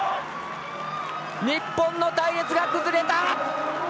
日本の隊列が崩れた！